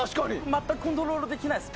全くコントロールできないです。